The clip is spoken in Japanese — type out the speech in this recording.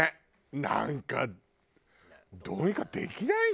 なんかどうにかできないの？